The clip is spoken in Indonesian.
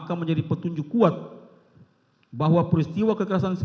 kita harus membuatnya